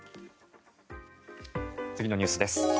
次のニュースです。